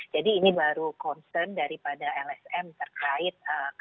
jadi ini baru concern daripada lsm terkait